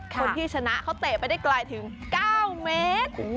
คนที่ชนะเขาเตะไปได้ไกลถึง๙เมตร